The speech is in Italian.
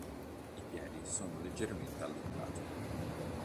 I piedi sono leggermente allungati.